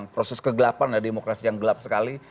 proses kegelapan dan demokrasi yang gelap sekali